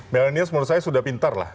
milenial menurut saya sudah pintar lah